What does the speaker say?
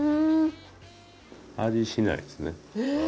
味しないですね。